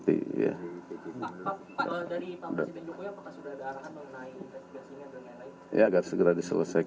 dari pak presiden jokowi apakah sudah ada arahan mengenai investigasinya